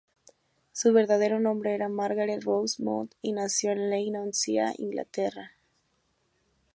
Su verdadero nombre era Margaret Rose Mount, y nació en Leigh-on-Sea, Inglaterra.